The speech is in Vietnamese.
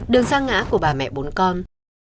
đường sang ngã của bà mẹ bốn con